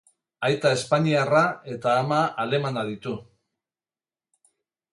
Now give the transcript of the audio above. Aita espainiarra eta ama alemana ditu.